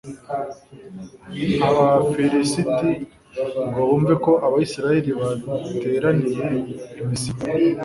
abafilisiti ngo bumve ko abayisraheli bateraniye i misipa